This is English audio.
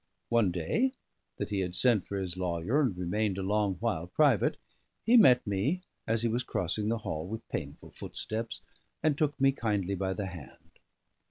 One day, that he had sent for his lawyer, and remained a long while private, he met me as he was crossing the hall with painful footsteps, and took me kindly by the hand.